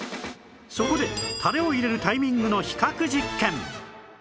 そこでタレを入れるタイミングの比較実験